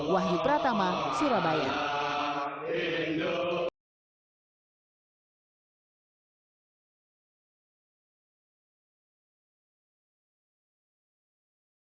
wahyu pratama surabaya